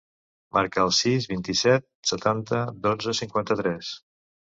Marca el sis, vint-i-set, setanta, dotze, cinquanta-tres.